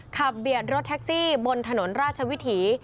เบียดรถแท็กซี่บนถนนราชวิถี